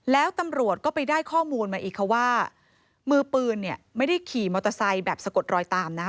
แล้วตำรวจก็ไปได้ข้อมูลมาอีกค่ะว่ามือปืนเนี่ยไม่ได้ขี่มอเตอร์ไซค์แบบสะกดรอยตามนะ